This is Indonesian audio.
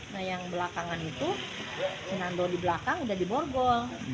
nah yang belakangan itu sinando di belakang udah diborgol